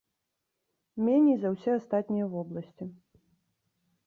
Меней, за ўсе астатнія вобласці!